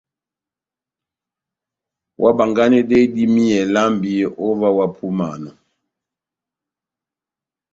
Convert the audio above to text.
Óhábánganedɛhɛ idímiyɛ lambi ó ová ohápúmanɔ !